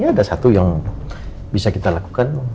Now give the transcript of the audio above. ada satu yang bisa kita lakukan